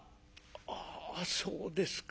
「ああそうですか。